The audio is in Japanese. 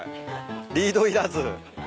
リードいらず。